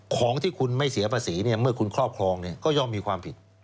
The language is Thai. ของที่คุณไม่เสียภาษีเมื่อคุณครอบครองก็ย่อมมีความผิด